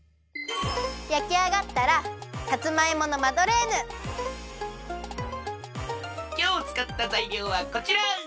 やきあがったらきょうつかったざいりょうはこちら！